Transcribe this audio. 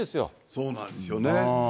そうなんですよね。